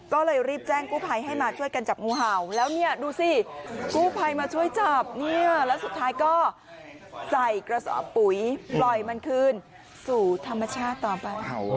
ก็เลยรีบแจ้งกู้ภัยให้มาช่วยกันจับงูเห่าแล้วเนี่ยดูสิกู้ภัยมาช่วยจับเนี่ยแล้วสุดท้ายก็ใส่กระสอบปุ๋ยปล่อยมันคืนสู่ธรรมชาติต่อไป